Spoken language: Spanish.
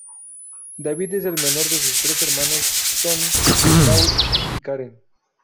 David es el menor de sus tres hermanos, Tony, Paul y Karen.